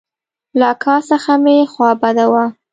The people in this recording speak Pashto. له اکا څخه مې خوا بده وه.